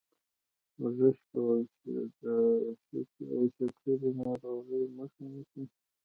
ورزش کول د شکرې ناروغۍ مخه نیسي.